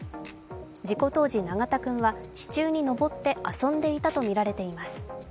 事故当時、永田君は支柱に上って遊んでいたとみられています。